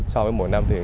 so với mỗi năm thì